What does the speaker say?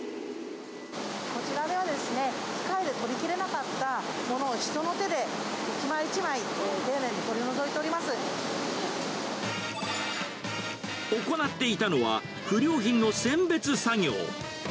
こちらではですね、機械で取りきれなかったものを人の手で一枚一枚、丁寧に取り除い行っていたのは、不良品の選別作業。